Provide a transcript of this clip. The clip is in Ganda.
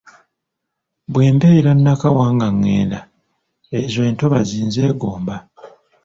"Bwe mbeera Nakawa nga ngenda, ezo entobazzi nzeegomba."